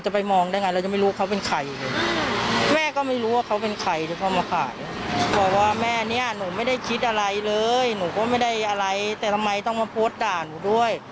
หนูก็ไม่ได้อะไรแต่ทำไมต้องมาโพสต์ด่าหนูด้วย